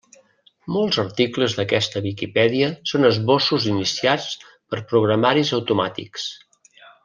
Molts articles d'aquesta Viquipèdia són esbossos iniciats per programaris automàtics.